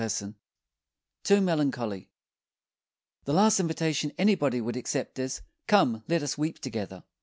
_ TO MELANCHOLY The last invitation anybody would accept is "Come, let us weep together."